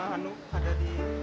anu ada di